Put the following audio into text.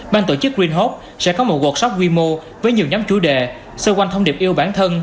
ban tổ chức green hope sẽ có một workshop quy mô với nhiều nhóm chủ đề sơ quanh thông điệp yêu bản thân